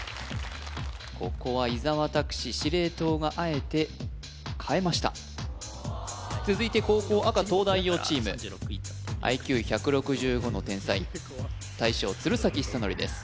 ここは伊沢拓司司令塔があえて変えました続いて後攻赤東大王チームＩＱ１６５の天才大将鶴崎修功です